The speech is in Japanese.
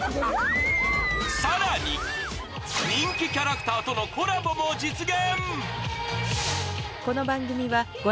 さらに人気キャラクターとのコラボも実現